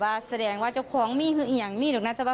คุณสุชาชายพิพิพิดิโจค